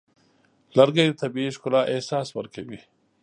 لرګی د طبیعي ښکلا احساس ورکوي.